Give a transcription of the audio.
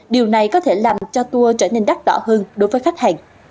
điều này có thể làm cho tour trở nên đắt đỏ hơn đối với khách hàng